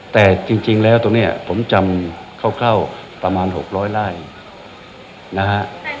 แต่จริงแล้วตรงนี้ผมจำคร่าวประมาณ๖๐๐ไร่นะฮะ